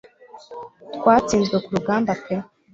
twatsinzwe ku rugamba pe